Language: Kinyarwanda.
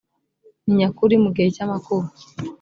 ni nyakuri mu gihe cy amakuba